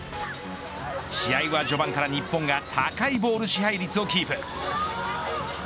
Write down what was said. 試合は序盤から日本が高いボール支配率をキープ。